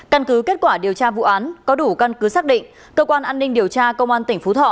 căn cứ kết quả điều tra vụ án có đủ căn cứ xác định cơ quan an ninh điều tra công an tỉnh phú thọ